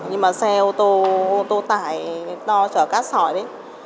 nhưng mà xe ô tô ô tô tải to chở cát sỏi đấy